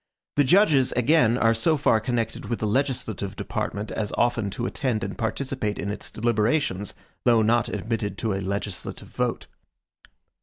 The judges, again, are so far connected with the legislative department as often to attend and participate in its deliberations, though not admitted to a legislative vote.